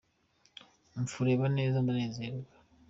Umfureba neza ndanezerwa